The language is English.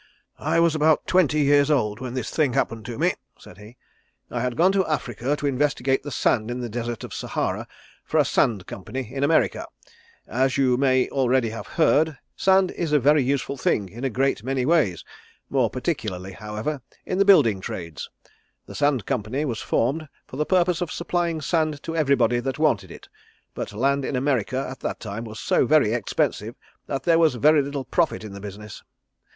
"I was about twenty years old when this thing happened to me," said he. "I had gone to Africa to investigate the sand in the Desert of Sahara for a Sand Company in America. As you may already have heard, sand is a very useful thing in a great many ways, more particularly however in the building trades. The Sand Company was formed for the purpose of supplying sand to everybody that wanted it, but land in America at that time was so very expensive that there was very little profit in the business.